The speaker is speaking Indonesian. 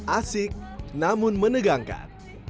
asik namun menegangkan